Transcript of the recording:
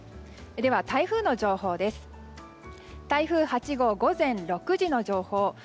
では、台風の情報です。